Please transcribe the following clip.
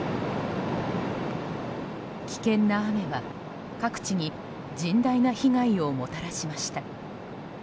危険な雨は各地に甚大な被害をもたらしました。